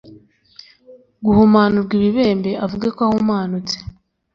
guhumanurwa ibibembe avuge ko ahumanutse